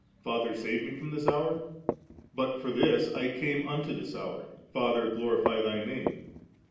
Faiher, save Me from this hour; but for this came I unto this hour. Father, glorify Thy Name.